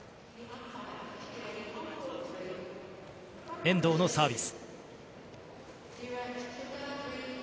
遠藤のサービス。